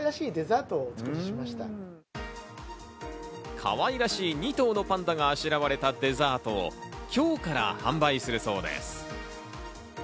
かわいらしい２頭のパンダがあしらわれたデザートを今日から販売するそうです。